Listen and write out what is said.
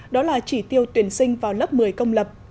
đó là chỉ tiêu tuyển sinh vào lớp một mươi công lập